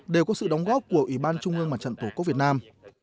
đều có sự đóng góp của ủy ban trung ương mặt trận tổ quốc việt nam